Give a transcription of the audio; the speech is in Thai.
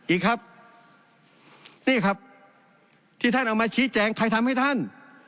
อีกครับนี่ครับที่ท่านเอามาชี้แจงไทยทำให้ท่าน